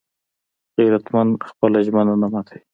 غیرتمند خپله ژمنه نه ماتوي